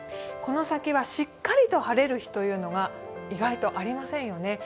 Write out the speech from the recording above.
この先はしっかりと晴れる日というのが意外とありませんよね。